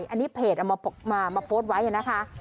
อันนี้เพจเอามาโพสต์ไว้นะคะ